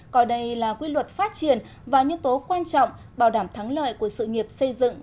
coi đây là quy luật phát triển và nhân tố quan trọng bảo đảm thắng lợi của sự nghiệp xây dựng